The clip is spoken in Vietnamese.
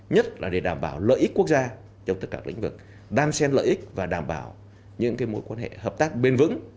nhất là để đảm bảo lợi ích quốc gia trong tất cả lĩnh vực đan xen lợi ích và đảm bảo những mối quan hệ hợp tác bền vững